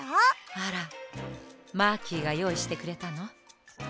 あらマーキーがよういしてくれたの？